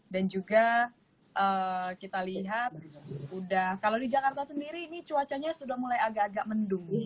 dan juga kita lihat udah kalau di jakarta sendiri ini cuacanya sudah mulai agak agak mendung